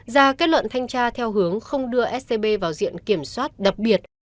ra kết luận thanh tra theo hướng không đưa scb vào diện kiểm soát đặc biệt